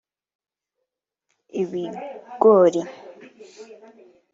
ibigori